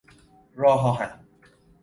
راه آهن